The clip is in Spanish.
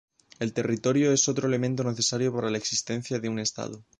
El territorio es otro elemento necesario para la existencia de un estado.